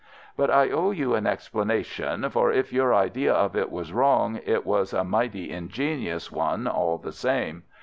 But I owe you an explanation, for if your idea of it was wrong, it was a mighty ingenious one all the same.